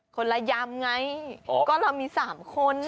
คนละยำไงก็เรามี๓คน